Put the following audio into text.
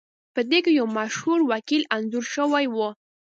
پدې کې یو مشهور وکیل انځور شوی و